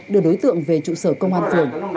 đưa đối tượng về trụ sở công an phường